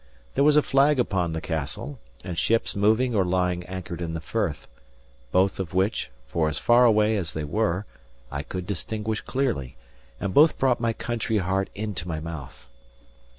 There was a flag upon the castle, and ships moving or lying anchored in the firth; both of which, for as far away as they were, I could distinguish clearly; and both brought my country heart into my mouth.